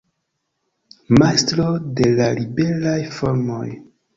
Majstro de la liberaj formoj.